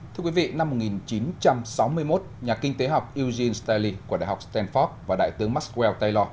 thưa quý vị năm một nghìn chín trăm sáu mươi một nhà kinh tế học egin stanley của đại học stanford và đại tướng maxwell taylor